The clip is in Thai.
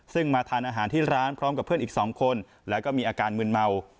ซึ่งมาทานอาหารที่ร้านพร้อมกับเพื่อนอีก๒คนแล้วก็มีอาการมืนเมา